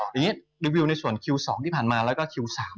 รีวิวในส่วนคิวสองที่ผ่านมาแล้วก็คิวสาม